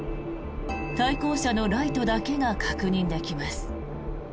対向車のライトだけが確認できます。